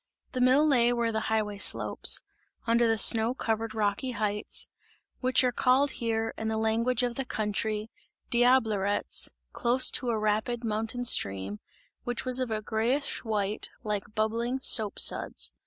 The mill lay where the highway slopes under the snow covered rocky heights which are called here, in the language of the country "Diablerets" close to a rapid mountain stream, which was of a greyish white, like bubbling soap suds.